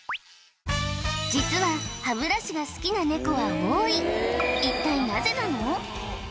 実は歯ブラシが好きなネコは多い一体なぜなの？